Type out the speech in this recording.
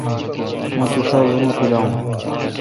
مہ توشا وہ نہ پلاون۔